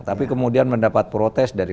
tapi kemudian mendapat protes dari